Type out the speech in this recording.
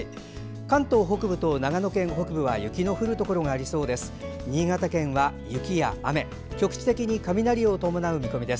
関東北部と長野県北部は雪の降るところがありそうです。